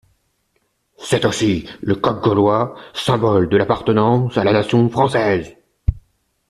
C’est aussi le coq gaulois, symbole le l’appartenance à la nation française.